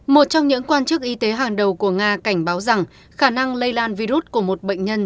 một trong những quan chức y tế hàng đầu của nga cảnh báo rằng khả năng lây lan virus của một bệnh nhân